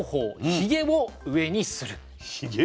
ひげを上にする。